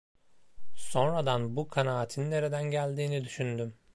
Sonradan bu kanaatin nereden geldiğini düşündüm.